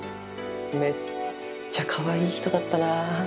めっちゃかわいい人だったな。